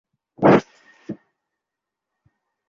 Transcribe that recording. হ্যাঁ আমিও একবার তোমাকে চুদেছি।